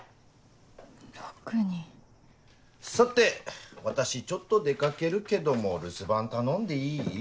さて私ちょっと出掛けるけども留守番頼んでいい？